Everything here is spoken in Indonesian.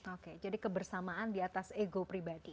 oke jadi kebersamaan di atas ego pribadi